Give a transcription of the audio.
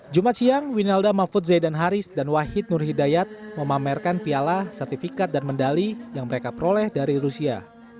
jumat siang winalda mahfudzai dan haris dan wahid nurhidayat memamerkan piala sertifikat dan medali yang mereka peroleh dari rusia